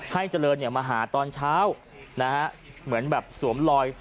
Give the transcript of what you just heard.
ให้เจริญมาหาตอนเช้าเหมือนแบบสวมลอย